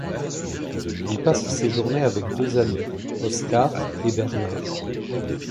Il passe ses journées avec deux amis, Oscar et Bernard.